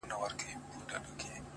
هغه نن بيا د واويلا خاوند دی”